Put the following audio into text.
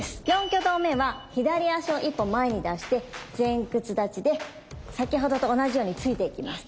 ４挙動目は左足を一歩前に出して前屈立ちで先ほどと同じように突いていきます。